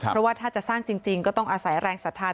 เพราะว่าถ้าจะสร้างจริงก็ต้องอาศัยแรงศรัทธา